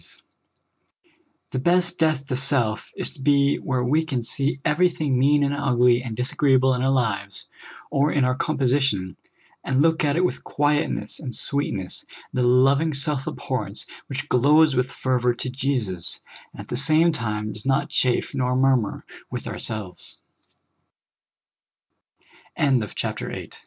LITTLE THINGS. 49 The best death to self is to be where we can see every thing mean and Ugly and disagreeable in our lives, or in our composition, and look at it with quietness and sweetness, and a loving self abhorrence which glows with fervor to Jesus, and at the same time does not chafe nor murmur with